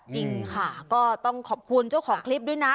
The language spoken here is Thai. จริงค่ะก็ต้องขอบคุณเจ้าของคลิปด้วยนะ